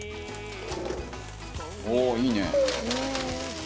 「おおいいね」